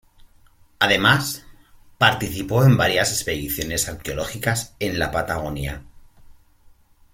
Además, participó en varias expediciones arqueológicas en la Patagonia.